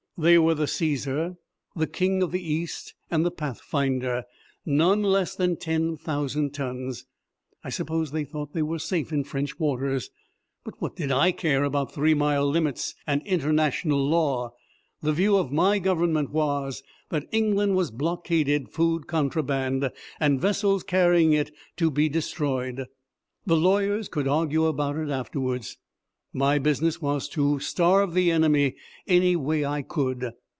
They were the Caesar, the King of the East, and the Pathfinder, none less than ten thousand tons. I suppose they thought they were safe in French waters, but what did I care about three mile limits and international law! The view of my Government was that England was blockaded, food contraband, and vessels carrying it to be destroyed. The lawyers could argue about it afterwards. My business was to starve the enemy any way I could.